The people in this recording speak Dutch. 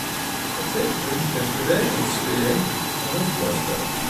Het tweede punt betreft de werkingssfeer van het voorstel.